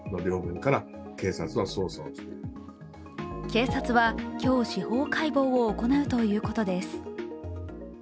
警察は今日、司法解剖を行うということです。